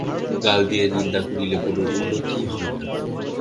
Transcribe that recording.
গাল দিলে, নিন্দা করিলে কোন উন্নতিই হয় না।